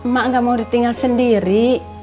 mak gak mau ditinggal sendiri